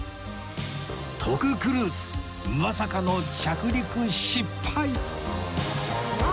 徳クルーズまさかの着陸失敗